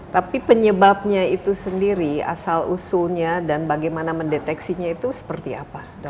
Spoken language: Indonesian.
tapi penyebabnya itu sendiri asal usulnya dan bagaimana mendeteksinya itu seperti apa dok